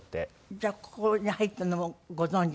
じゃあここに入ったのもご存じなくて？